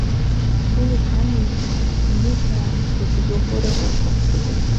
Түүнийг хааны хамгийн сайн анд төдийгүй хуурай хүүд тооцдог байж.